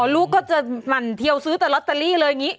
ลูกก็จะหมั่นเทียวซื้อแต่ลอตเตอรี่เลยอย่างนี้